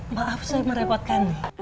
maaf saya merepotkan nih